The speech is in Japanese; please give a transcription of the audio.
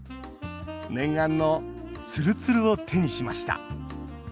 念願のつるつるを手にしました。